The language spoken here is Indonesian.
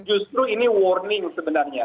itu ini warning sebenarnya